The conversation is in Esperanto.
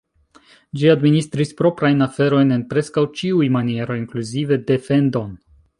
Ĝi administris proprajn aferojn en preskaŭ ĉiuj manieroj, inkluzive defendon.